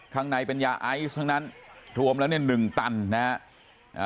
ข้างในเป็นยาไอซ์ทั้งนั้นรวมแล้วเนี่ยหนึ่งตันนะฮะ